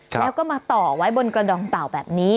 แล้วก็มาต่อไว้บนกระดองเต่าแบบนี้